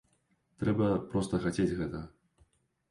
Трэба проста хацець гэтага.